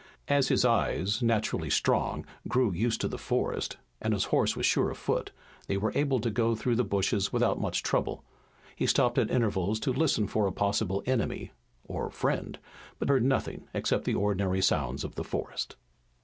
As his eyes, naturally strong, grew used to the forest, and his horse was sure of foot, they were able to go through the bushes without much trouble. He stopped at intervals to listen for a possible enemy or friend but heard nothing except the ordinary sounds of the forest.